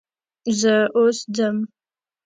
زه اوس ځم.